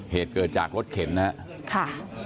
เหตุเกิดจากรถเข็มน่ะ